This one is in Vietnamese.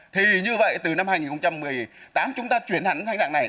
thì như vậy từ năm hai nghìn một mươi tám chúng ta chuyển hẳn thành dạng này